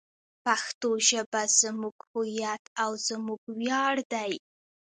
پښتو ژبه زموږ هویت او زموږ ویاړ دی.